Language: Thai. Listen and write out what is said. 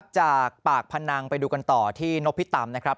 จากปากพนังไปดูกันต่อที่นพิตำนะครับ